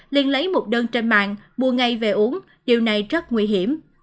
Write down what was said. liên lấy một đơn trên mạng mua ngay về uống điều này rất nguy hiểm